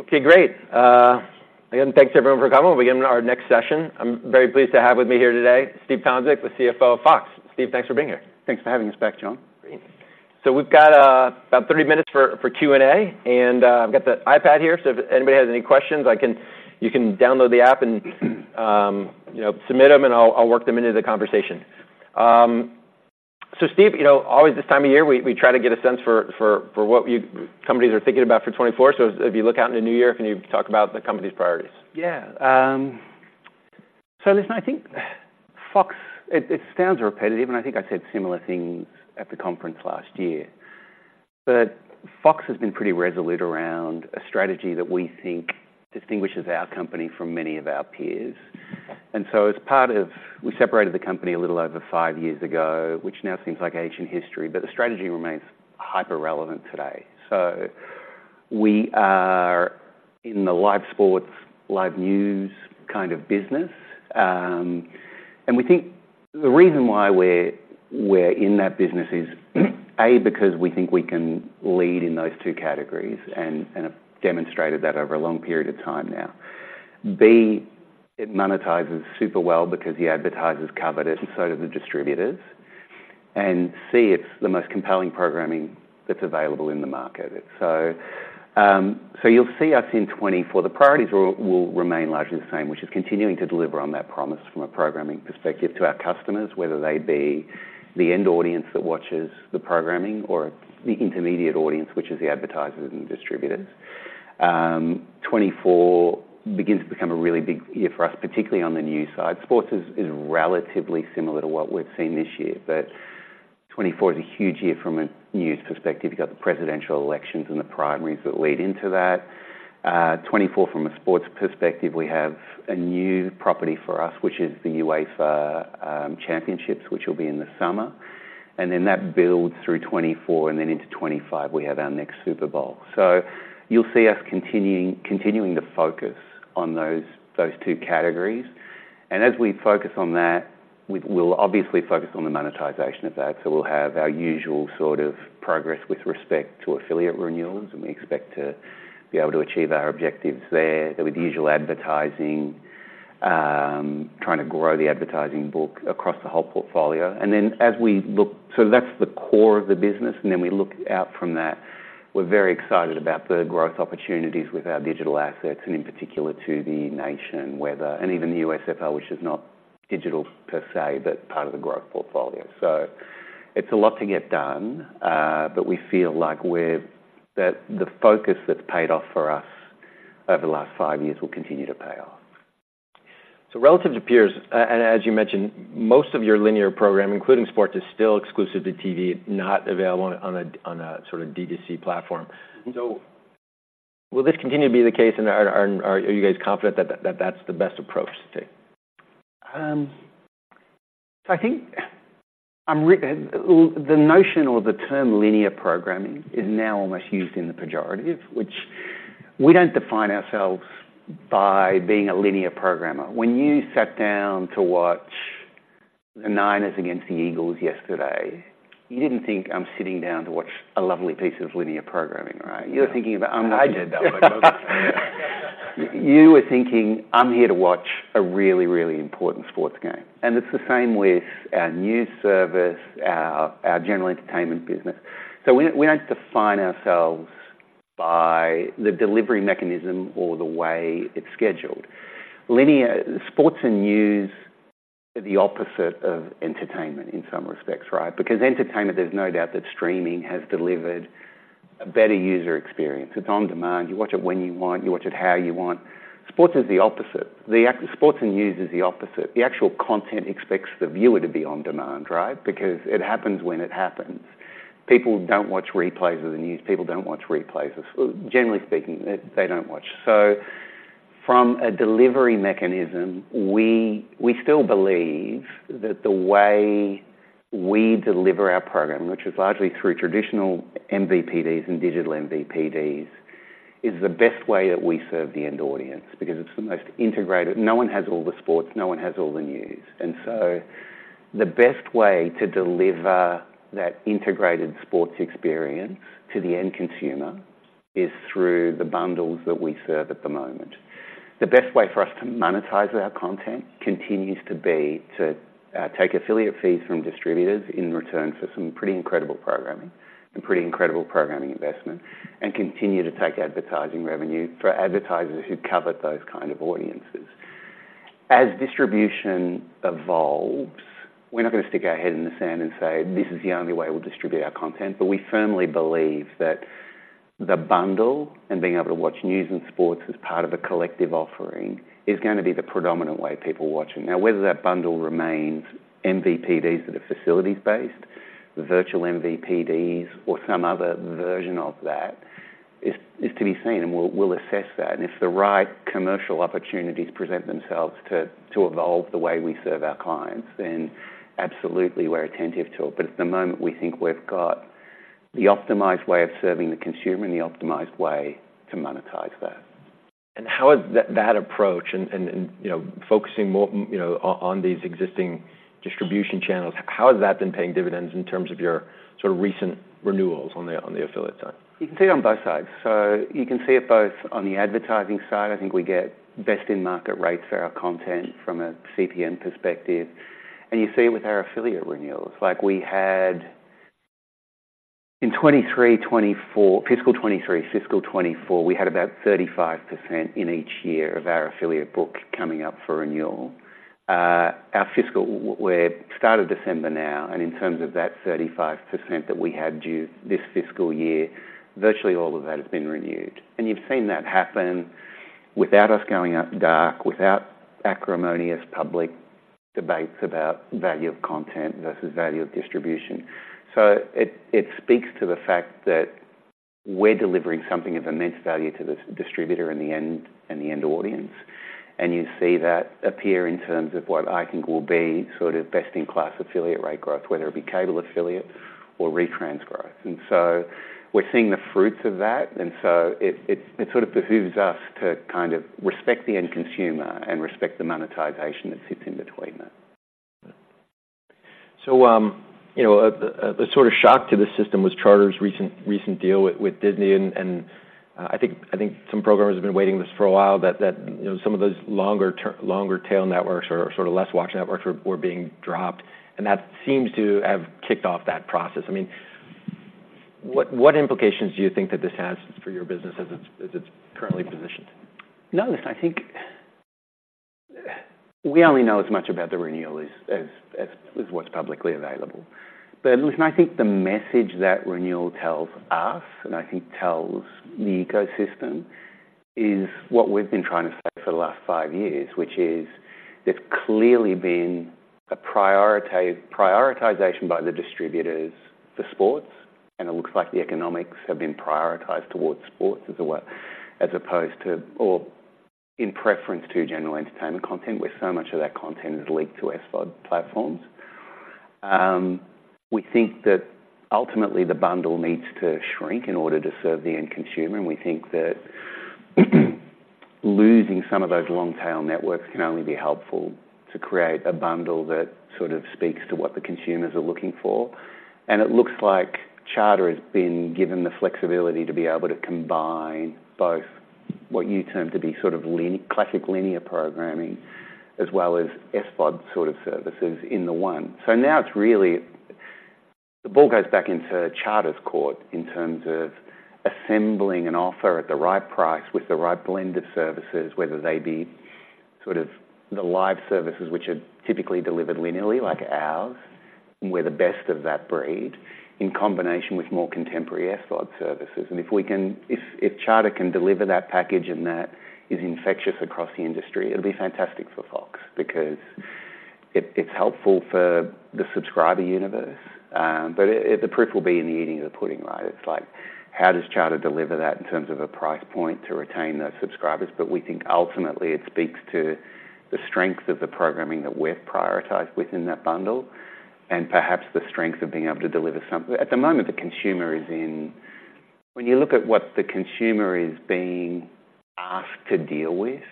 Okay, great. Again, thanks everyone for coming. We're beginning our next session. I'm very pleased to have with me here today, Steve Tomsic, the Chief Financial Officer of Fox. Steve, thanks for being here. Thanks for having us back, John. Great. So we've got about 30 minutes for Q&A, and I've got the iPad here, so if anybody has any questions, you can download the app and, you know, submit them, and I'll work them into the conversation. So Steve, you know, always this time of year, we try to get a sense for what companies are thinking about for 2024. So if you look out into the new year, can you talk about the company's priorities? Yeah. So listen, I think Fox—it sounds repetitive, and I think I said similar things at the conference last year, but Fox has been pretty resolute around a strategy that we think distinguishes our company from many of our peers. So as part of... We separated the company a little over 5 years ago, which now seems like ancient history, but the strategy remains hyper-relevant today. We are in the live sports, live news kind of business. And we think the reason why we're in that business is, A, because we think we can lead in those two categories and have demonstrated that over a long period of time now. B, it monetizes super well because the advertisers cover it and so do the distributors. And C, it's the most compelling programming that's available in the market. So, so you'll see us in 2024, the priorities will remain largely the same, which is continuing to deliver on that promise from a programming perspective to our customers, whether they be the end audience that watches the programming or the intermediate audience, which is the advertisers and distributors. 2024 begins to become a really big year for us, particularly on the news side. Sports is relatively similar to what we've seen this year, but 2024 is a huge year from a news perspective. You got the presidential elections and the primaries that lead into that. 2024 from a sports perspective, we have a new property for us, which is the UEFA championships, which will be in the summer. And then that builds through 2024, and then into 2025, we have our next Super Bowl. So you'll see us continuing to focus on those two categories, and as we focus on that, we'll obviously focus on the monetization of that. So we'll have our usual sort of progress with respect to affiliate renewals, and we expect to be able to achieve our objectives there. Then with the usual advertising, trying to grow the advertising book across the whole portfolio. And then, so that's the core of the business, and then we look out from that, we're very excited about the growth opportunities with our digital assets, and in particular Tubi, Fox Nation, Fox Weather. And even the USFL, which is not digital per se, but part of the growth portfolio. So it's a lot to get done, but we feel like that the focus that's paid off for us over the last five years will continue to pay off. So relative to peers, and as you mentioned, most of your linear programming, including sports, is still exclusive to TV, not available on a sorta D2C platform. Mm-hmm. So will this continue to be the case, and are you guys confident that that's the best approach to take? So I think, the notion or the term linear programming is now almost used in the pejorative, which we don't define ourselves by being a linear programmer. When you sat down to watch the Niners against the Eagles yesterday, you didn't think, "I'm sitting down to watch a lovely piece of linear programming," right? No. You're thinking about. I did that one. You were thinking, "I'm here to watch a really, really important sports game." And it's the same with our news service, our, our general entertainment business. So we don't, we don't define ourselves by the delivery mechanism or the way it's scheduled. Linear sports and news are the opposite of entertainment in some respects, right? Because entertainment, there's no doubt that streaming has delivered a better user experience. It's on demand. You watch it when you want, you watch it how you want. Sports is the opposite. Sports and news is the opposite. The actual content expects the viewer to be on demand, right? Because it happens when it happens. People don't watch replays of the news. People don't watch replays of... Generally speaking, they, they don't watch. So from a delivery mechanism, we still believe that the way we deliver our program, which is largely through traditional MVPDs and digital MVPDs, is the best way that we serve the end audience, because it's the most integrated. No one has all the sports, no one has all the news. And so the best way to deliver that integrated sports experience to the end consumer is through the bundles that we serve at the moment. The best way for us to monetize our content continues to be to take affiliate fees from distributors in return for some pretty incredible programming and pretty incredible programming investment, and continue to take advertising revenue for advertisers who cover those kind of audiences. As distribution evolves, we're not going to stick our head in the sand and say, "This is the only way we'll distribute our content," but we firmly believe that the bundle and being able to watch news and sports as part of a collective offering is gonna be the predominant way people watch it. Now, whether that bundle remains MVPDs that are facilities-based, virtual MVPDs, or some other version of that, is to be seen, and we'll assess that. And if the right commercial opportunities present themselves to evolve the way we serve our clients, then absolutely, we're attentive to it. But at the moment, we think we've got the optimized way of serving the consumer and the optimized way to monetize that. How is that approach and, you know, on these existing distribution channels, how has that been paying dividends in terms of your sort of recent renewals on the affiliate side? You can see it on both sides. So you can see it both on the advertising side, I think we get best in-market rates for our content from a CPM perspective, and you see it with our affiliate renewals. Like, we had in 2023, 2024, fiscal 2023, fiscal 2024, we had about 35% in each year of our affiliate book coming up for renewal. Our fiscal year, we're at the start of December now, and in terms of that 35% that we had due this fiscal year, virtually all of that has been renewed. And you've seen that happen without us going up dark, without acrimonious public debates about value of content versus value of distribution. So it speaks to the fact that we're delivering something of immense value to the distributor in the end, and the end audience, and you see that appear in terms of what I think will be sort of best-in-class affiliate rate growth, whether it be cable affiliate or retrans growth. And so we're seeing the fruits of that, and so it sort of behooves us to kind of respect the end consumer and respect the monetization that sits in between them. So, you know, a sort of shock to the system was Charter's recent deal with Disney, and I think some programmers have been awaiting this for a while, that you know, some of those longer tail networks or sort of less watched networks were being dropped, and that seems to have kicked off that process. I mean, what implications do you think that this has for your business as it's currently positioned? No, listen, I think. We only know as much about the renewal as what's publicly available. But listen, I think the message that renewal tells us, and I think tells the ecosystem, is what we've been trying to say for the last five years, which is there's clearly been a prioritization by the distributors for sports, and it looks like the economics have been prioritized towards sports as a way, as opposed to, or in preference to general entertainment content, where so much of that content is linked to SVOD platforms. We think that ultimately the bundle needs to shrink in order to serve the end consumer, and we think that, losing some of those long tail networks can only be helpful to create a bundle that sort of speaks to what the consumers are looking for. And it looks like Charter has been given the flexibility to be able to combine both what you term to be sort of classic linear programming, as well as SVOD sort of services in the one. So now it's really the ball goes back into Charter's court in terms of assembling an offer at the right price with the right blend of services, whether they be sort of the live services, which are typically delivered linearly, like ours, and we're the best of that breed, in combination with more contemporary SVOD services. And if, if Charter can deliver that package, and that is infectious across the industry, it'll be fantastic for Fox, because it, it's helpful for the subscriber universe. But it, the proof will be in the eating of the pudding, right? It's like, how does Charter deliver that in terms of a price point to retain those subscribers? But we think ultimately it speaks to the strength of the programming that we've prioritized within that bundle, and perhaps the strength of being able to deliver something. At the moment, the consumer is in-- When you look at what the consumer is being asked to deal with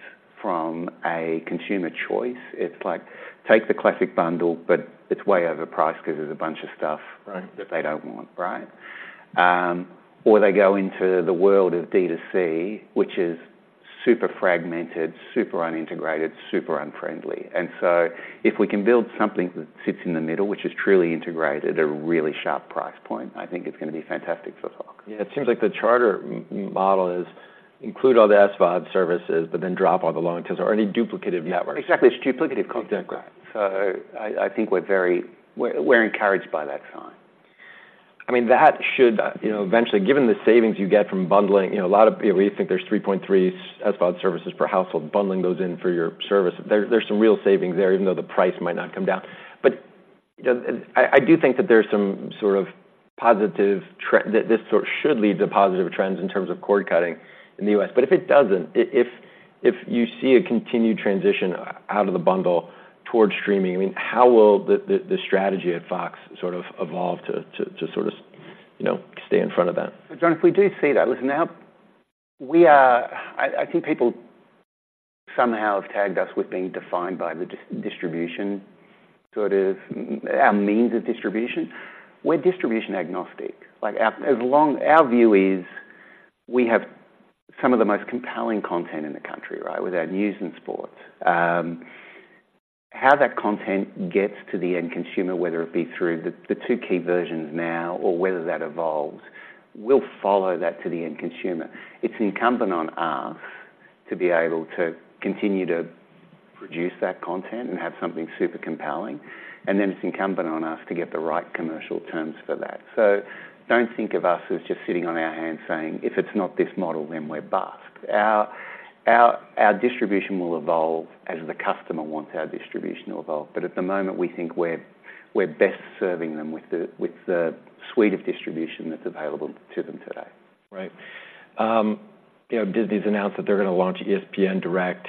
from a consumer choice, it's like, take the classic bundle, but it's way overpriced because there's a bunch of stuff- Right That they don't want, right? Or they go into the world of D2C, which is super fragmented, super unintegrated, super unfriendly. And so if we can build something that sits in the middle, which is truly integrated at a really sharp price point, I think it's gonna be fantastic for Fox. Yeah, it seems like the Charter model is include all the SVOD services, but then drop all the long tails or any duplicative networks. Exactly, it's duplicative content. Exactly. So, I think we're very encouraged by that sign. I mean, that should, you know, eventually, given the savings you get from bundling, you know, we think there's 3.3 SVOD services per household. Bundling those in for your service, there, there's some real savings there, even though the price might not come down. But, I do think that there's some sort of positive trend, that this sort should lead to positive trends in terms of cord-cutting in the U.S. But if it doesn't, if you see a continued transition out of the bundle towards streaming, I mean, how will the strategy at Fox sort of evolve to sort of, you know, stay in front of that? John, if we do see that, listen. How we are—I think people somehow have tagged us with being defined by the distribution, sort of our means of distribution. We're distribution agnostic. Like, as long... Our view is we have some of the most compelling content in the country, right? With our news and sports. How that content gets to the end consumer, whether it be through the two key versions now or whether that evolves, we'll follow that to the end consumer. It's incumbent on us to be able to continue to produce that content and have something super compelling, and then it's incumbent on us to get the right commercial terms for that. So don't think of us as just sitting on our hands saying, "If it's not this model, then we're bust." Our distribution will evolve as the customer wants our distribution to evolve, but at the moment, we think we're best serving them with the suite of distribution that's available to them today. Right. You know, Disney's announced that they're gonna launch ESPN Direct,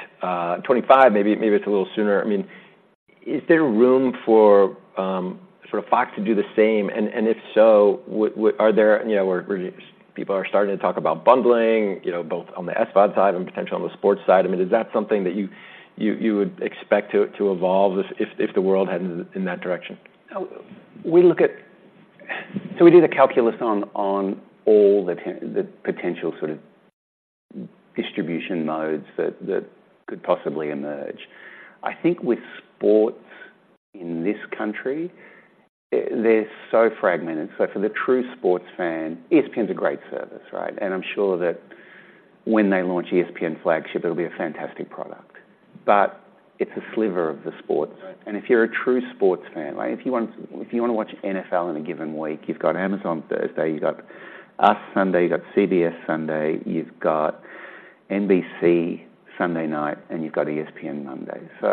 25, maybe, maybe it's a little sooner. Is there room for Fox to do the same? And if so, are there, you know, where people are starting to talk about bundling, you know, both on the SVOD side and potentially on the sports side. I mean, is that something that you would expect to evolve as if the world heads in that direction? We did a calculus on all the potential sort of distribution modes that could possibly emerge. I think with sports in this country, they're so fragmented. So for the true sports fan, ESPN's a great service, right? And I'm sure that when they launch ESPN Flagship, it'll be a fantastic product, but it's a sliver of the sports. Right. And if you're a true sports fan, like, if you want, if you wanna watch NFL in a given week, you've got Amazon Thursday, you've got us Sunday, you've got CBS Sunday, you've got NBC Sunday night, and you've got ESPN Monday. So,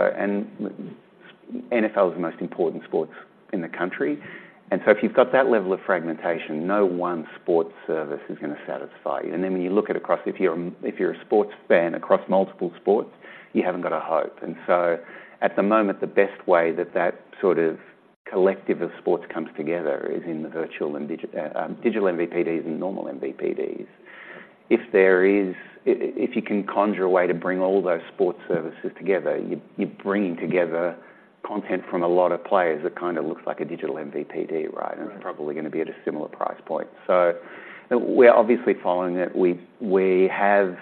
NFL is the most important sports in the country, and so if you've got that level of fragmentation, no one sports service is gonna satisfy you. And then when you look at across, if you're, if you're a sports fan across multiple sports, you haven't got a hope. And so at the moment, the best way that that sort of collective of sports comes together is in the virtual and digital MVPDs and normal MVPDs. If you can conjure a way to bring all those sports services together, you're bringing together content from a lot of players that kind of looks like a digital MVPD, right? Right. It's probably gonna be at a similar price point. We're obviously following it. We, we have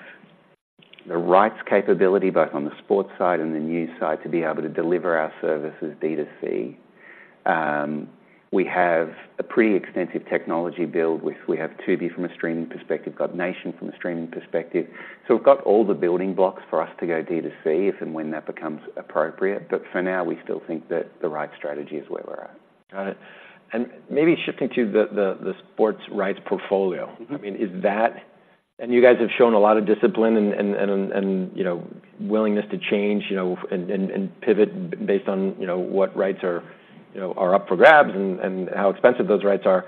the rights capability, both on the sports side and the news side, to be able to deliver our services D2C. We have a pretty extensive technology build, which we have Tubi from a streaming perspective, got Nation from a streaming perspective. So we've got all the building blocks for us to go D2C, if and when that becomes appropriate. But for now, we still think that the right strategy is where we're at. Got it. And maybe shifting to the sports rights portfolio- Mm-hmm. I mean, is that... And you guys have shown a lot of discipline and you know, willingness to change, you know, and pivot based on, you know, what rights are you know, are up for grabs and how expensive those rights are.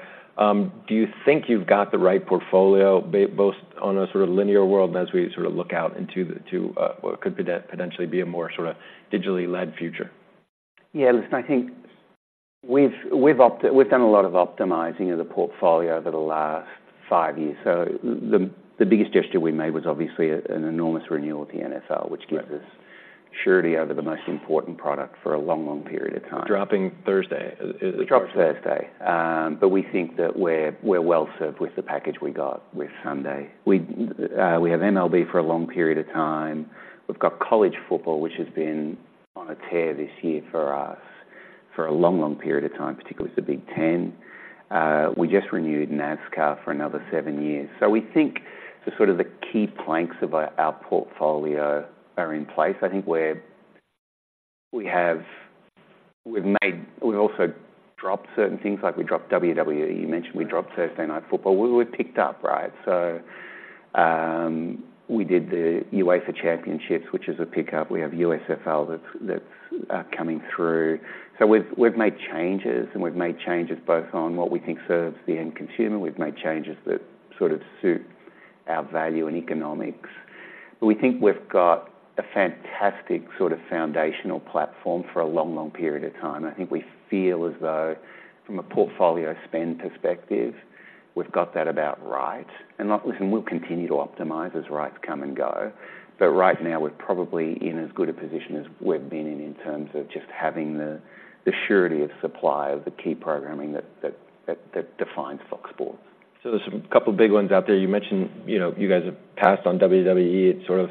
Do you think you've got the right portfolio, both on a sort of linear world and as we sort of look out into the, to, what could potentially be a more sort of digitally led future? Yeah, listen, I think we've done a lot of optimizing of the portfolio over the last five years. So the biggest gesture we made was obviously an enormous renewal of the NFL- Right Which gives us surety over the most important product for a long, long period of time. Dropping Thursday is, We dropped Thursday, but we think that we're well-served with the package we got with Sunday. We have MLB for a long period of time. We've got college football, which has been on a tear this year for us for a long, long period of time, particularly the Big Ten. We just renewed NASCAR for another seven years. So we think the sort of the key planks of our portfolio are in place. I think where we've made, we've also dropped certain things, like we dropped WWE. You mentioned- We dropped Thursday Night Football. We were picked up, right? So, we did the UEFA Championships, which is a pickup. We have USFL that's coming through. So we've made changes, and we've made changes both on what we think serves the end consumer. We've made changes that sort of suit our value and economics. But we think we've got a fantastic sort of foundational platform for a long, long period of time. I think we feel as though, from a portfolio spend perspective, we've got that about right. And look, listen, we'll continue to optimize as rights come and go, but right now we're probably in as good a position as we've been in in terms of just having the surety of supply of the key programming that defines Fox Sports. So there's a couple of big ones out there. You mentioned, you know, you guys have passed on WWE. It sort of,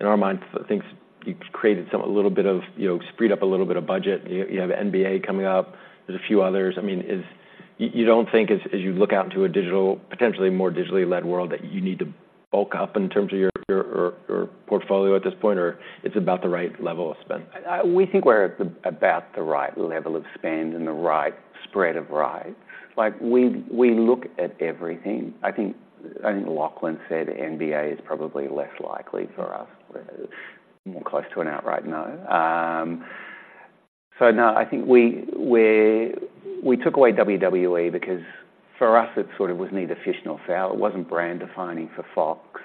in our minds, things, you've created some, a little bit of, you know, freed up a little bit of budget. You, you have NBA coming up. There's a few others. I mean, is... You, you don't think as, as you look out into a digital, potentially more digitally led world, that you need to bulk up in terms of your, your, your portfolio at this point, or it's about the right level of spend? We think we're at about the right level of spend and the right spread of rights. Like, we look at everything. I think Lachlan said NBA is probably less likely for us, more close to an outright no. So no, I think we're. We took away WWE because for us, it sort of was neither fish nor fowl. It wasn't brand defining for Fox.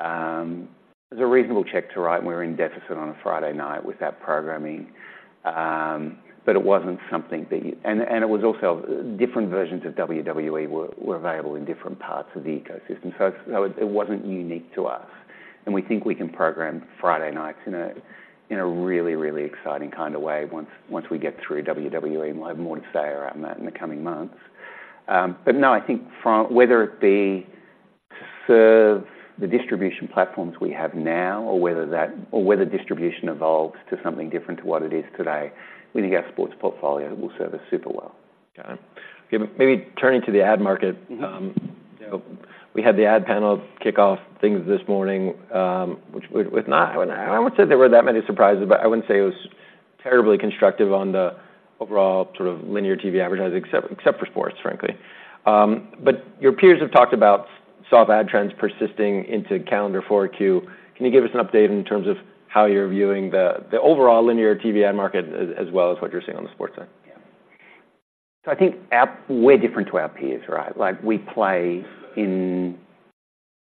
It was a reasonable check to write, and we were in deficit on a Friday night with that programming. But it wasn't something that you... And it was also different versions of WWE were available in different parts of the ecosystem. So it wasn't unique to us. We think we can program Friday nights in a really, really exciting kind of way once we get through WWE, and we'll have more to say around that in the coming months. But no, I think from whether it be to serve the distribution platforms we have now, or whether distribution evolves to something different to what it is today, we think our sports portfolio will serve us super well. Got it. Maybe turning to the ad market-you know, we had the ad panel kick off things this morning, which was not... I wouldn't say there were that many surprises, but I wouldn't say it was terribly constructive on the overall sort of linear TV advertising, except, except for sports, frankly. But your peers have talked about soft ad trends persisting into calendar 4Q. Can you give us an update in terms of how you're viewing the, the overall linear TV ad market, as, as well as what you're seeing on the sports side?... So I think we're different to our peers, right? Like, we play in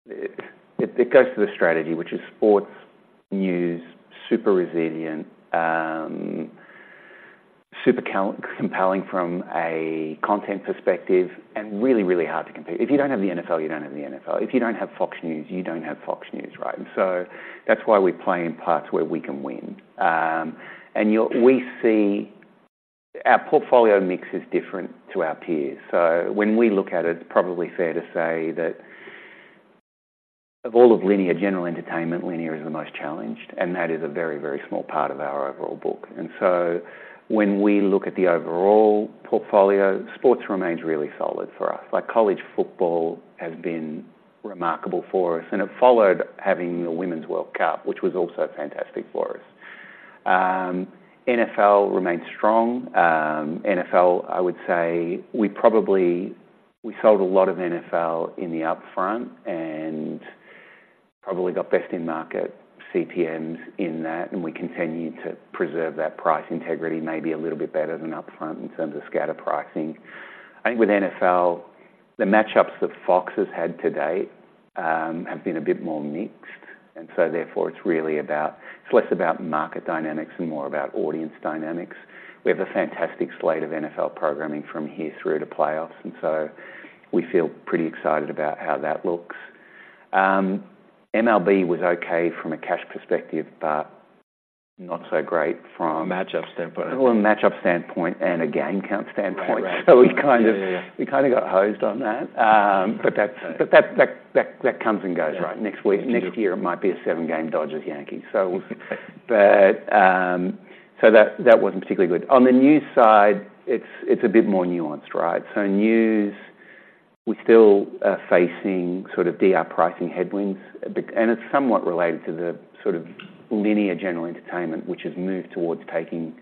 it, it goes to the strategy, which is sports, news, super resilient, super compelling from a content perspective and really, really hard to compete. If you don't have the NFL, you don't have the NFL. If you don't have Fox News, you don't have Fox News, right? And so that's why we play in parts where we can win. And we see our portfolio mix is different to our peers. So when we look at it, it's probably fair to say that of all of linear general entertainment, linear is the most challenged, and that is a very, very small part of our overall book. And so when we look at the overall portfolio, sports remains really solid for us. Like, college football has been remarkable for us, and it followed having the Women's World Cup, which was also fantastic for us. NFL remains strong. NFL, I would say we probably. We sold a lot of NFL in the upfront and probably got best in market CTMs in that, and we continue to preserve that price integrity maybe a little bit better than upfront in terms of scatter pricing. I think with NFL, the match-ups that Fox has had to date have been a bit more mixed, and so therefore, it's really about. It's less about market dynamics and more about audience dynamics. We have a fantastic slate of NFL programming from here through to playoffs, and so we feel pretty excited about how that looks. MLB was okay from a cash perspective, but not so great from- Matchup standpoint. Well, a matchup standpoint and a game count standpoint. Right, right. So we kind of- Yeah, yeah, yeah. We kind of got hosed on that. But that-but that comes and goes, right? Yeah. Next week, next year, it might be a seven-game Dodgers, Yankees. So but, so that, that wasn't particularly good. On the news side, it's, it's a bit more nuanced, right? So news, we still are facing sort of DR pricing headwinds a bit, and it's somewhat related to the sort of linear general entertainment, which has moved towards taking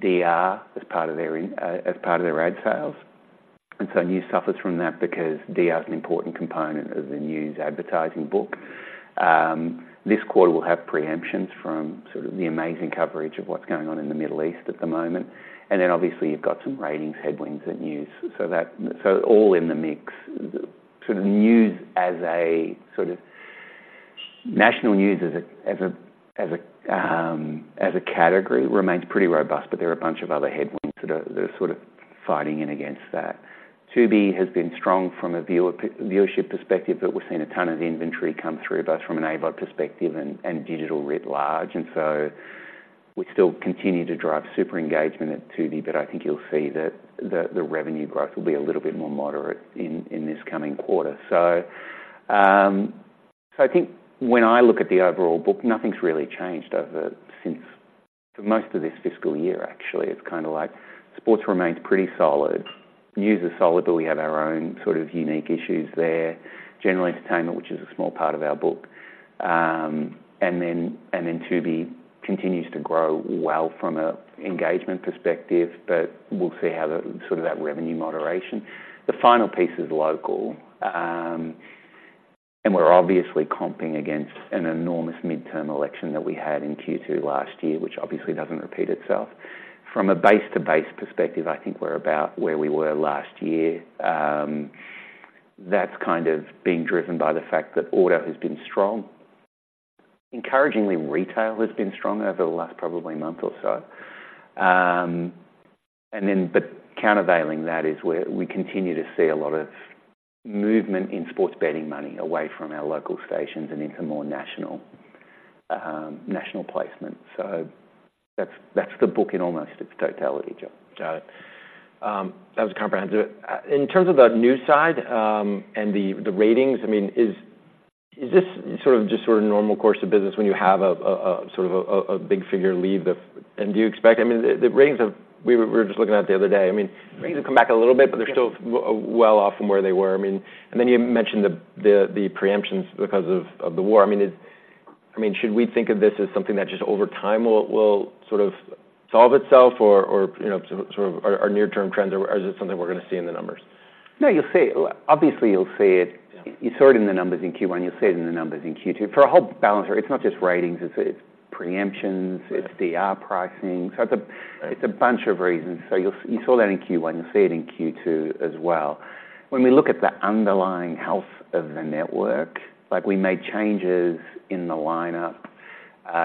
DR as part of their in, as part of their ad sales. And so news suffers from that because DR is an important component of the news advertising book. This quarter will have preemptions from sort of the amazing coverage of what's going on in the Middle East at the moment. And then obviously, you've got some ratings headwinds at news. All in the mix, national news as a category remains pretty robust, but there are a bunch of other headwinds that are sort of fighting in against that. Tubi has been strong from a viewership perspective, but we've seen a ton of inventory come through both from an AVOD perspective and digital writ large. And so we still continue to drive super engagement at Tubi, but I think you'll see that the revenue growth will be a little bit more moderate in this coming quarter. So I think when I look at the overall book, nothing's really changed over since for most of this fiscal year, actually. It's kinda like sports remains pretty solid. News is solid, but we have our own sort of unique issues there. General entertainment, which is a small part of our book, and then Tubi continues to grow well from an engagement perspective, but we'll see how the, sort of that revenue moderation. The final piece is local, and we're obviously comping against an enormous midterm election that we had in Q2 last year, which obviously doesn't repeat itself. From a base-to-base perspective, I think we're about where we were last year. That's kind of being driven by the fact that auto has been strong. Encouragingly, retail has been strong over the last probably month or so. And then but countervailing that is where we continue to see a lot of movement in sports betting money away from our local stations and into more national, national placement. That's, that's the book in almost its totality, Joe. Got it. That was comprehensive. In terms of the news side, and the ratings, I mean, is this sort of just sort of normal course of business when you have a sort of a big figure leave the... And do you expect... I mean, the ratings have, we were just looking at the other day, I mean, ratings have come back a little bit, but they're still well off from where they were. I mean, and then you mentioned the preemptions because of the war. I mean, should we think of this as something that just over time will sort of solve itself or, you know, sort of are near-term trends, or is it something we're going to see in the numbers? No, you'll see it. Obviously, you'll see it-you saw it in the numbers in Q1, you'll see it in the numbers in Q2. For a whole balancer, it's not just ratings, it's preemptions, it's DR pricing. Right. So it's a bunch of reasons. So you'll see it in Q1, you'll see it in Q2 as well. When we look at the underlying health of the network, like we made changes in the lineup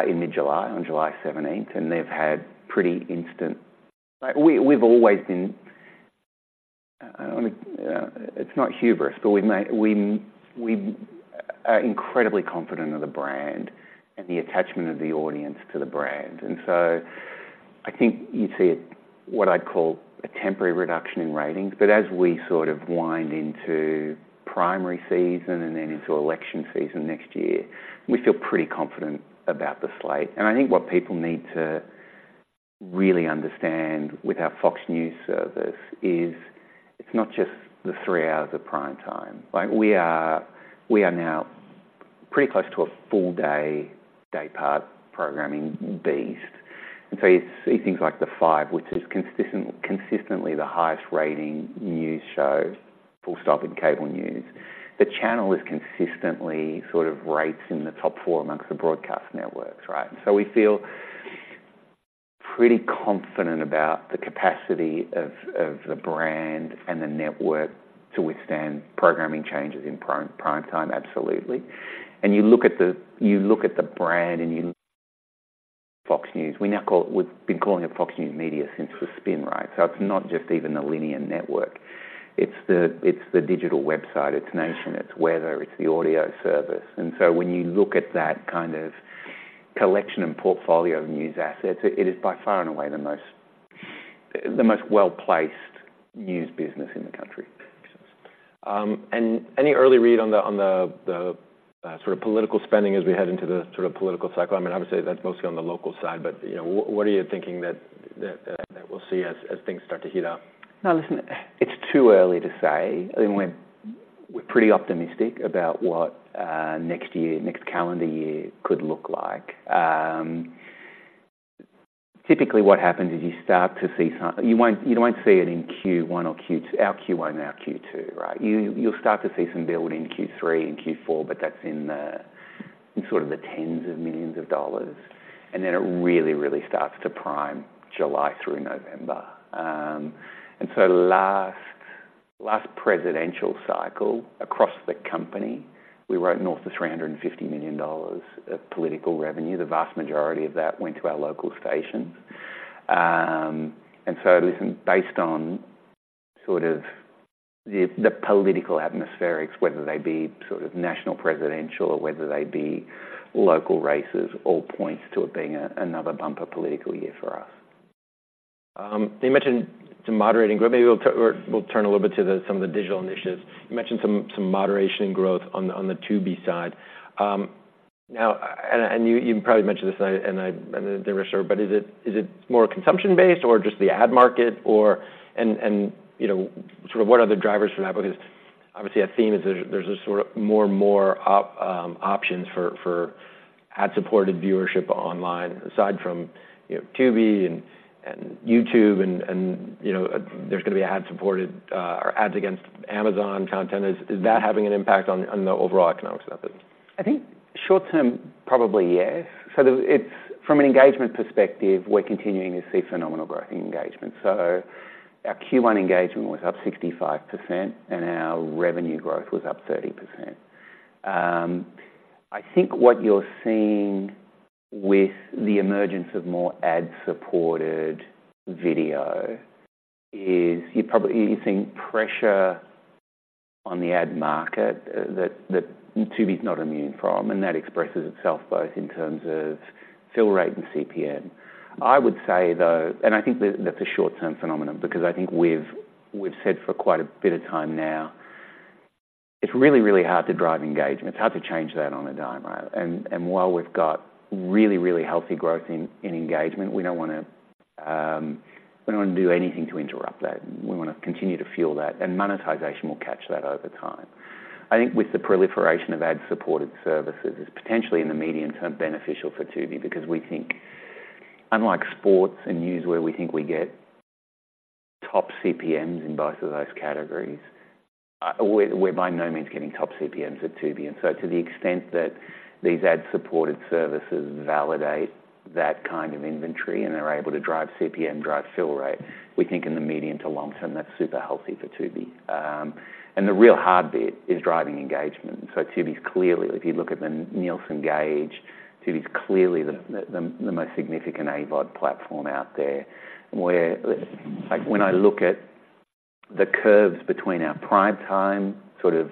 in mid-July, on July 17th, and they've had pretty instant impact. Like, we've always been, it's not hubris, but we've made, we are incredibly confident of the brand and the attachment of the audience to the brand. And so I think you see it, what I'd call a temporary reduction in ratings, but as we sort of wind into primary season and then into election season next year, we feel pretty confident about the slate. And I think what people need to really understand with our Fox News service is it's not just the three hours of prime time. Like, we are now pretty close to a full daypart programming beast. And so you see things like The Five, which is consistently the highest-rating news show, full stop in cable news. The channel is consistently sort of rates in the top four amongst the broadcast networks, right? And so we feel pretty confident about the capacity of the brand and the network to withstand programming changes in prime time. Absolutely. And you look at the brand and Fox News, we now call it, we've been calling it Fox News Media since the spin, right? So it's not just even a linear network, it's the digital website, it's Nation, it's Weather, it's the audio service. And so when you look at that kind of collection and portfolio of news assets, it is by far and away the most well-placed news business in the country. And any early read on the sort of political spending as we head into the sort of political cycle? I mean, obviously, that's mostly on the local side, but, you know, what are you thinking that we'll see as things start to heat up? No, listen, it's too early to say. I mean, we're, we're pretty optimistic about what next year, next calendar year could look like. Typically, what happens is you start to see you won't, you won't see it in Q1 or Q2—our Q1 or our Q2, right? You, you'll start to see some build in Q3 and Q4, but that's in the, in sort of the $10s of millions, and then it really, really starts to prime July through November. And so last, last presidential cycle across the company, we wrote north of $350 million of political revenue. The vast majority of that went to our local stations. And so listen, based on sort of the, the political atmospherics, whether they be sort of national, presidential, or whether they be local races, all points to it being another bumper political year for us. You mentioned some moderating, but maybe we'll turn a little bit to some of the digital initiatives. You mentioned some moderation in growth on the Tubi side. Now, and you probably mentioned this, and I didn't hear, but is it more consumption-based or just the ad market or... And you know, sort of what are the drivers for that? Because obviously, our theme is there's sort of more and more options for ad-supported viewership online, aside from, you know, Tubi and YouTube and, you know, there's going to be ad-supported or ads against Amazon content. Is that having an impact on the overall economics of it? I think short term, probably, yes. So it's from an engagement perspective, we're continuing to see phenomenal growth in engagement. So our Q1 engagement was up 65%, and our revenue growth was up 30%. I think what you're seeing with the emergence of more ad-supported video is you're seeing pressure on the ad market that Tubi is not immune from, and that expresses itself both in terms of fill rate and CPM. I would say, though, and I think that that's a short-term phenomenon because I think we've said for quite a bit of time now, it's really, really hard to drive engagement. It's hard to change that on a dime, right? And while we've got really, really healthy growth in engagement, we don't wanna do anything to interrupt that. We wanna continue to fuel that, and monetization will catch that over time. I think with the proliferation of ad-supported services, it's potentially, in the medium term, beneficial for Tubi because we think unlike sports and news, where we think we get top CPMs in both of those categories, we're by no means getting top CPMs at Tubi. And so to the extent that these ad-supported services validate that kind of inventory, and they're able to drive CPM, drive fill rate, we think in the medium to long term, that's super healthy for Tubi. And the real hard bit is driving engagement, and so Tubi's clearly, if you look at the Nielsen Gauge, Tubi's clearly the most significant AVOD platform out there. Like, when I look at the curves between our prime time, sort of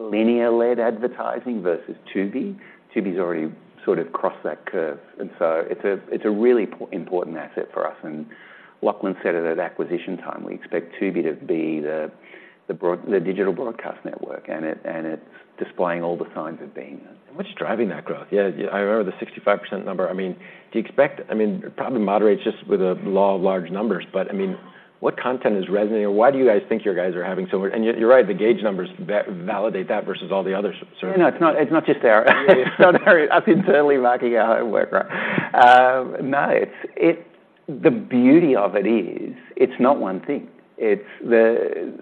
linear-led advertising versus Tubi, Tubi's already sort of crossed that curve, and so it's a, it's a really important asset for us. And Lachlan said it at acquisition time, we expect Tubi to be the, the digital broadcast network, and it, and it's displaying all the signs of being. And what's driving that growth? Yeah, I remember the 65% number. I mean, do you expect... I mean, it probably moderates just with the law of large numbers, but I mean, what content is resonating, or why do you guys think your guys are having so much? And you're right, the gauge numbers validate that versus all the other sort of- No, it's not, it's not just there. Don't worry, us internally marking our homework, right? No, it's the beauty of it is, it's not one thing. It's the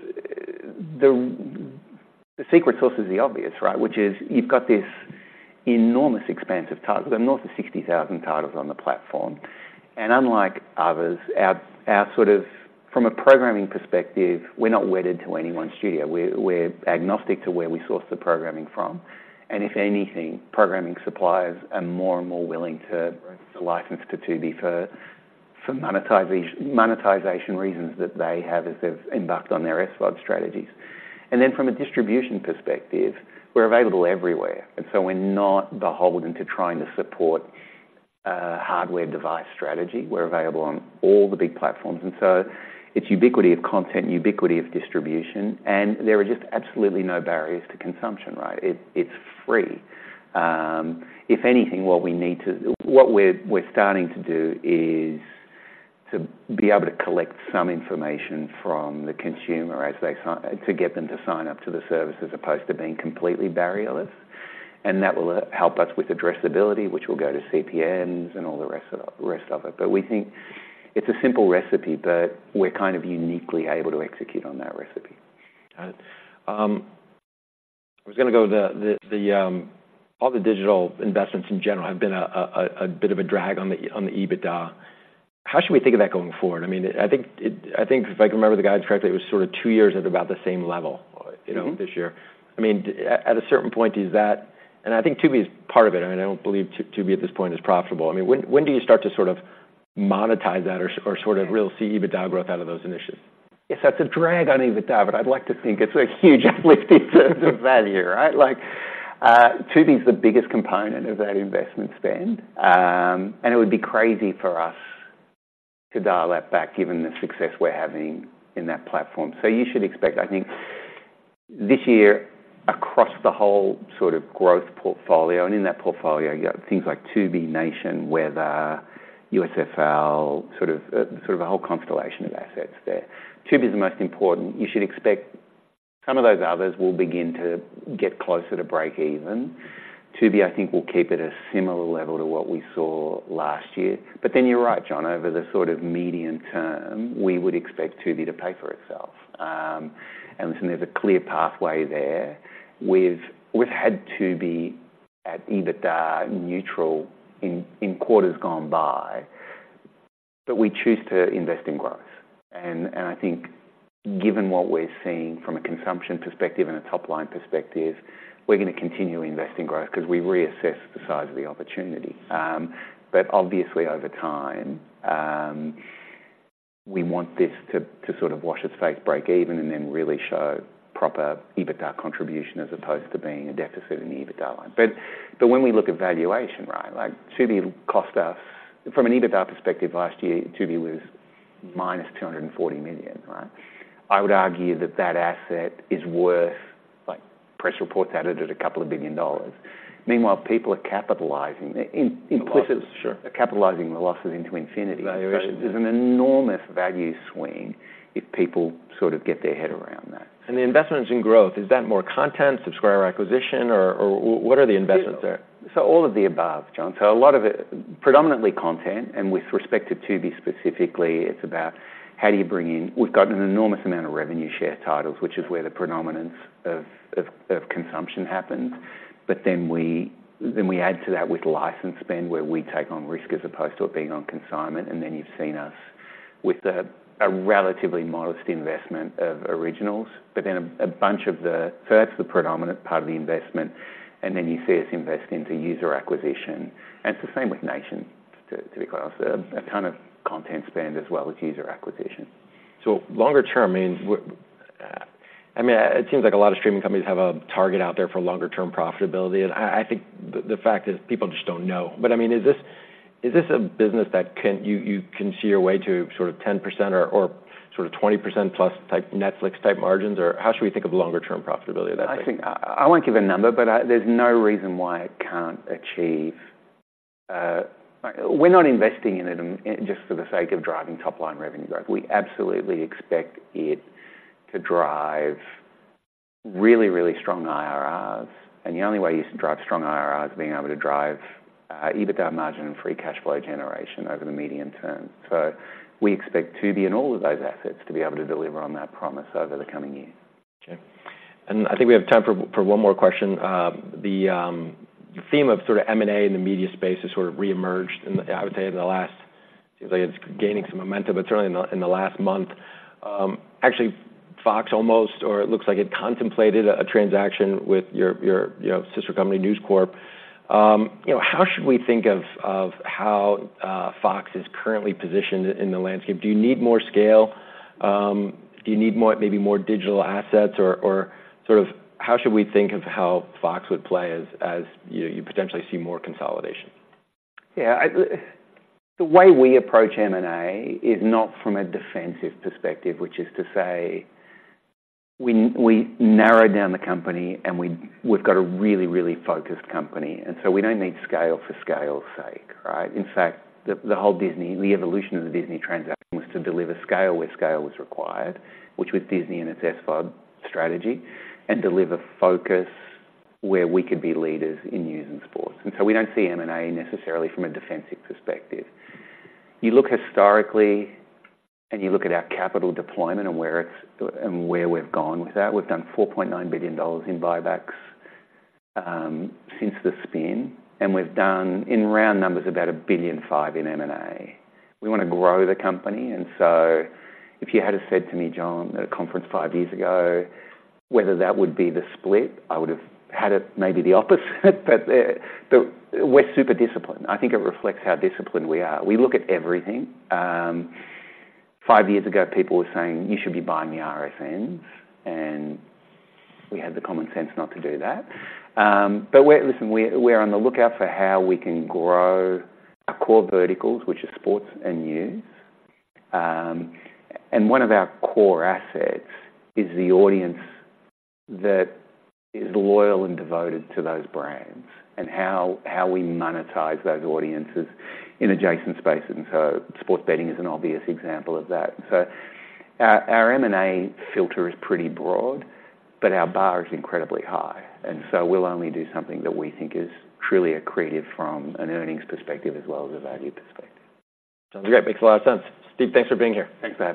secret sauce is the obvious, right? Which is, you've got this enormous expanse of titles, there are almost 60,000 titles on the platform, and unlike others, our sort of from a programming perspective, we're not wedded to any one studio. We're agnostic to where we source the programming from. And if anything, programming suppliers are more and more willing to license to Tubi for monetization reasons that they have as they've embarked on their SVOD strategies. And then from a distribution perspective, we're available everywhere, and so we're not beholden to trying to support a hardware device strategy. We're available on all the big platforms, and so it's ubiquity of content, ubiquity of distribution, and there are just absolutely no barriers to consumption, right? It's, it's free. If anything, what we're starting to do is to be able to collect some information from the consumer as they sign up to the service, as opposed to being completely barrierless, and that will help us with addressability, which will go to CPMs and all the rest of it. But we think it's a simple recipe, but we're kind of uniquely able to execute on that recipe. Got it. I was gonna go with all the digital investments in general have been a bit of a drag on the EBITDA. How should we think of that going forward? I mean, I think if I can remember the guide correctly, it was sort of two years at about the same level- Mm-hmm You know, this year. I mean, at a certain point, is that? And I think Tubi is part of it. I mean, I don't believe Tubi at this point is profitable. I mean, when do you start to sort of monetize that or sort of really see EBITDA growth out of those initiatives? Yes, that's a drag on EBITDA, but I'd like to think it's a huge uplift in terms of value, right? Like, Tubi is the biggest component of that investment spend. And it would be crazy for us to dial that back, given the success we're having in that platform. So you should expect, I think, this year, across the whole sort of growth portfolio, and in that portfolio, you got things like Tubi, Nation, Weather, USFL, sort of, sort of a whole constellation of assets there. Tubi is the most important. You should expect some of those others will begin to get closer to breakeven. Tubi, I think, will keep at a similar level to what we saw last year. But then you're right, John, over the sort of medium term, we would expect Tubi to pay for itself. And listen, there's a clear pathway there. We've had Tubi at EBITDA neutral in quarters gone by, but we choose to invest in growth. And I think given what we're seeing from a consumption perspective and a top-line perspective, we're going to continue to invest in growth 'cause we reassess the size of the opportunity. But obviously, over time, we want this to sort of wash its face, break even, and then really show proper EBITDA contribution, as opposed to being a deficit in the EBITDA line. But when we look at valuation, right, like, Tubi cost us... From an EBITDA perspective, last year, Tubi was -$240 million, right? I would argue that that asset is worth, like, press reports had it at $2 billion. Meanwhile, people are capitalizing the in- includes- Sure Capitalizing the losses into infinity. Valuation. There's an enormous value swing if people sort of get their head around that. The investments in growth, is that more content, subscriber acquisition, or what are the investments there? So all of the above, John. So a lot of it, predominantly content, and with respect to Tubi specifically, it's about how do you bring in— We've got an enormous amount of revenue share titles, which is where the predominance of consumption happens. But then we add to that with license spend, where we take on risk as opposed to it being on consignment, and then you've seen us with a relatively modest investment of originals. But then a bunch of the— So that's the predominant part of the investment, and then you see us invest into user acquisition. And it's the same with Nation, to be quite honest, a ton of content spend as well as user acquisition. So longer term, I mean, it seems like a lot of streaming companies have a target out there for longer-term profitability, and I think the fact is, people just don't know. But, I mean, is this a business that can, you can see your way to sort of 10% or sort of 20%+ type, Netflix-type margins? Or how should we think of longer-term profitability of that type? I think I won't give a number, but there's no reason why it can't achieve... We're not investing in it just for the sake of driving top-line revenue growth. We absolutely expect it to drive really, really strong IRRs, and the only way you drive strong IRRs is being able to drive EBITDA margin and free cash flow generation over the medium term. So we expect Tubi and all of those assets to be able to deliver on that promise over the coming years. Okay. And I think we have time for one more question. The theme of sort of M&A in the media space has sort of reemerged in the, I would say, in the last—seems like it's gaining some momentum, but certainly in the last month. Actually, Fox almost, or it looks like it contemplated a transaction with your, you know, sister company, News Corp. You know, how should we think of how Fox is currently positioned in the landscape? Do you need more scale? Do you need more, maybe more digital assets, or sort of how should we think of how Fox would play as you potentially see more consolidation? Yeah, the way we approach M&A is not from a defensive perspective, which is to say we narrowed down the company, and we've got a really, really focused company, and so we don't need scale for scale's sake, right? In fact, the whole Disney, the evolution of the Disney transaction was to deliver scale where scale was required, which was Disney and its ESPN strategy, and deliver focus where we could be leaders in news and sports. And so we don't see M&A necessarily from a defensive perspective. You look historically, and you look at our capital deployment and where it's, and where we've gone with that. We've done $4.9 billion in buybacks since the spin, and we've done, in round numbers, about $1.5 billion in M&A. We want to grow the company, and so if you had have said to me, John, at a conference five years ago, whether that would be the split, I would have had it maybe the opposite, but, but we're super disciplined. I think it reflects how disciplined we are. We look at everything. Five years ago, people were saying, "You should be buying the RSNs," and we had the common sense not to do that. But we're on the lookout for how we can grow our core verticals, which is sports and news. And one of our core assets is the audience that is loyal and devoted to those brands, and how we monetize those audiences in adjacent spaces, and so sports betting is an obvious example of that. So our M&A filter is pretty broad, but our bar is incredibly high, and so we'll only do something that we think is truly accretive from an earnings perspective as well as a value perspective. Sounds great. Makes a lot of sense. Steve, thanks for being here. Thanks for having me.